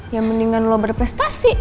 ya mendingan lo berprestasi